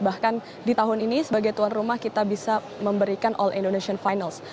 bahkan di tahun ini sebagai tuan rumah kita bisa memberikan all indonesian finals